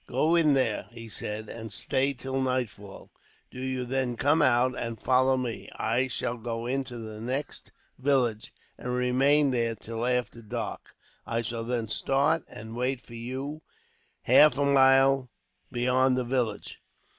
"Go in there," he said, "and stay till nightfall. Do you then come out, and follow me. I shall go into the next village, and remain there till after dark. I shall then start, and wait for you half a mile beyond the village."